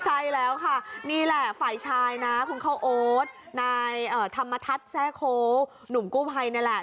ใช่แล้วค่ะนี่แหละฝ่ายชายนะคุณเข้าโอ๊ตนายธรรมทัศน์แทร่โค้หนุ่มกู้ภัยนี่แหละ